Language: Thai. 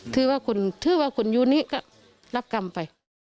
ถือว่าคุณยูนิก็รับกรรมไป